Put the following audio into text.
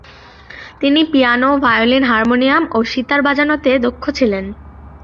তিনি piano, violin, harmonium ও সিতার বাজানোতে দক্ষ ছিলেন।